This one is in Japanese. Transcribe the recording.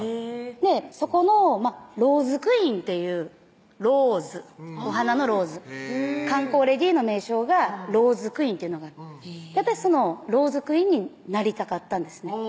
そこのローズクイーンっていうローズお花のローズ観光レディーの名称がローズクイーンっていうのがある私そのローズクイーンになりたかったんですね